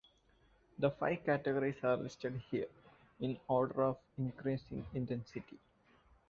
The five categories are listed here, in order of increasing intensity.